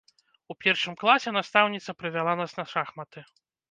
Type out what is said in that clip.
У першым класе настаўніца прывяла нас на шахматы.